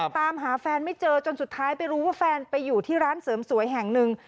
ตามหาแฟนไม่เจอจนสุดท้ายไปรู้ว่าแฟนไปอยู่ที่ร้านเสริมสวยแห่งหนึ่ง